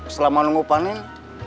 selama nunggu panin